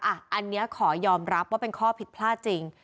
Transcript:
อันนี้ขอยอมรับว่าเป็นข้อผิดพลาดจริง